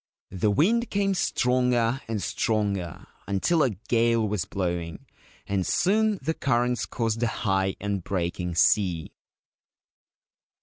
The wind came stronger and stronger, until a gale was blowing, and soon the currents caused a high and breaking sea.